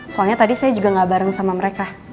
soalnya tadi saya juga gak bareng sama mereka